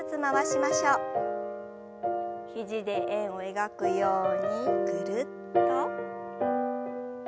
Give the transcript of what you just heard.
肘で円を描くようにぐるっと。